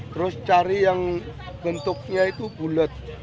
terus cari yang bentuknya itu bulet